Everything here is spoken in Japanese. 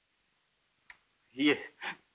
いえ。